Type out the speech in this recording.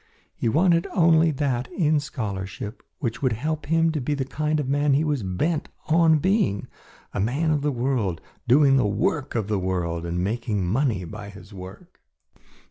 He wanted only that in scholarship which would help him to be the kind of man he was bent on being, a man of the world doing the work of the world and making money by his work.